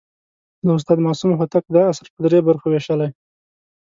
د استاد معصوم هوتک دا اثر پر درې برخو ویشلی.